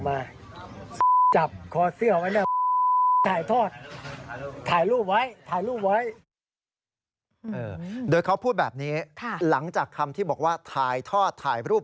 มึงจะได้มาอาจภาพวิทยาลัยอีกคนนะครับ